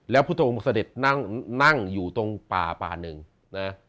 แล้วพุทธองค์เสด็จนั่งอยู่ตรงป่าป่าหนึ่งนะ